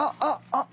あっ！